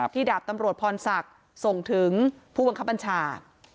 ดาบตำรวจพรศักดิ์ส่งถึงผู้บังคับบัญชา